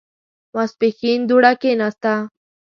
ماسپښين دوړه کېناسته.